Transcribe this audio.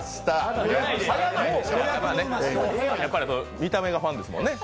見た目がファンですもんね